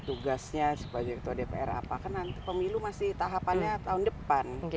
tugasnya sebagai ketua dpr apa kan nanti pemilu masih tahapannya tahun depan